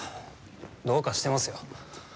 どうかしてますよ。